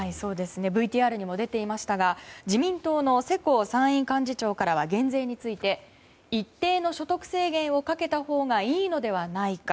ＶＴＲにも出ていましたが自民党の世耕参院幹事長からは減税について一定の所得制限をかけたほうがいいのではないか。